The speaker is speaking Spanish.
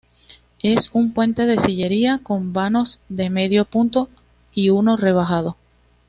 Es un puente de sillería con vanos de medio punto y uno rebajado.